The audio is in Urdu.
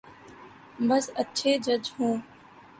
بس اچھے جج ہوں۔